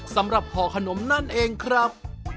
สำหรับห่อขนมนั่นเองครับ